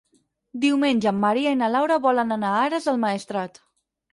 Diumenge en Maria i na Laura volen anar a Ares del Maestrat.